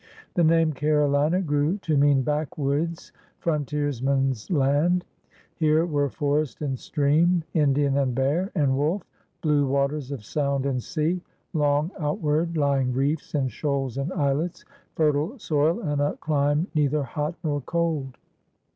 The name Carolina grew to mean backwoods, frontiersman's land. Here were forest and stream, Indian and bear and wolf, blue waters of sound and sea, long outward lying reefs and shoals and islets, fertile soil and a dime neither hot nor cold.